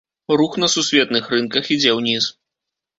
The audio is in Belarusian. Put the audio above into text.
Рух на сусветных рынках ідзе ўніз.